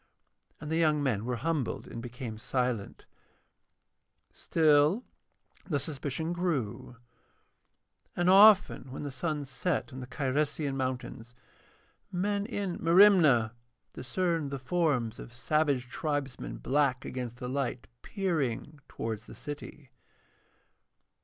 And the young men were humbled and became silent. Still, the suspicion grew. And often when the sun set on the Cyresian mountains, men in Merimna discerned the forms of savage tribesmen black against the light, peering towards the city.